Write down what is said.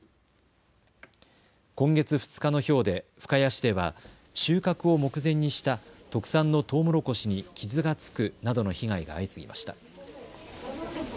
今月２日のひょうで深谷市では収穫を目前にした特産のとうもろこしに傷がつくなどの被害が相次ぎました。